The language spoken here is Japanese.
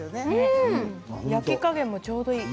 焼き加減も、ちょうどいい。